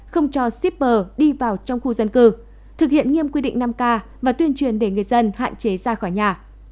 không cho shipper đi vào trong khu dân cư thực hiện nghiêm quy định năm k và tuyên truyền để người dân hạn chế ra khỏi nhà